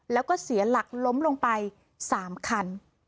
แล้วก็เสียหลักล้มลงไป๓คัน